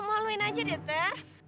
malu maluin aja deh ter